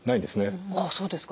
あっそうですか。